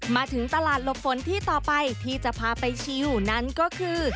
มาถึงตลาดหลบฝนที่ต่อไปที่จะพาไปชิวนั้นก็คือ